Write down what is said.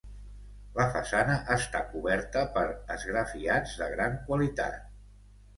La façana està coberta per esgrafiats de gran qualitat.